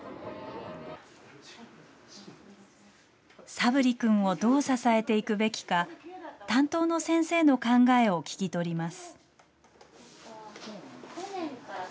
佐分利君をどう支えていくべきか、担当の先生の考えを聞き取ります。